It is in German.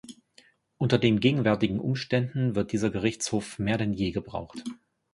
Unter den gegenwärtigen Umständen wird dieser Gerichtshof mehr denn je gebraucht.